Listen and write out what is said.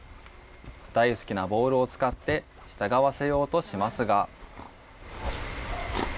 大好きなボールを使って従わせようとしますが。